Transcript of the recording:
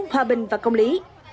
hòa bình và công lý